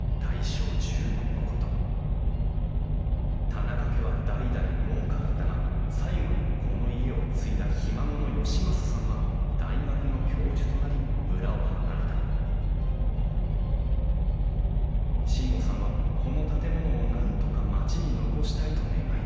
田仲家は代々農家だったが最後にこの家を継いだひ孫の可昌さんは大学の教授となり村を離れた進悟さんはこの建物をなんとか町に残したいと願い出た。